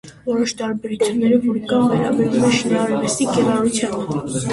Որոշ տարբերությունները, որ կան, վերաբերում է շինարվեստի կիրառությանը։